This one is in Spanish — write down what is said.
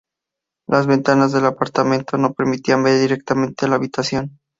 Las ventanas del apartamento no permitían ver directamente a la habitación.